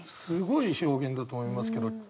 すごい表現だと思いますけど。